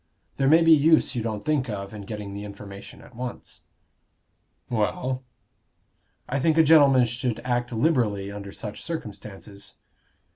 There may be use you don't think of in getting the information at once." "Well?" "I think a gentleman should act liberally under such circumstances."